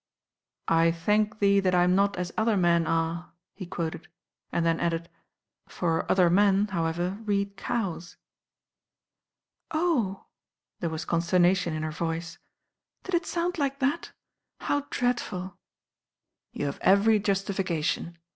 " 'I thank Thee that I am not as other men are,* he quoted, and then added, "for 'other men,' how ever, read 'cows.' " "Oh I" There was consternation in her voice. "Did it sound like that? How dreadful." "You have every justification."